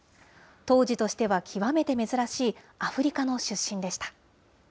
当時としては極めて珍しいアフリカの出身でした。